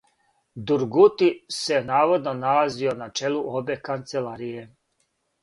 Дургути се наводно налазио на челу обе канцеларије.